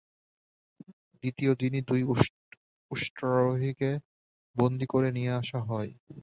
দ্বিতীয় দিনই দুই উষ্ট্রারোহীকে বন্দি করে নিয়ে আসা হয়।